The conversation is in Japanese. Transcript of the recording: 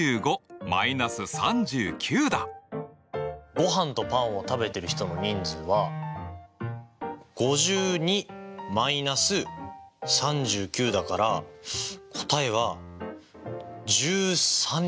ごはんとパンを食べてる人の人数は５２−３９だから答えは１３人。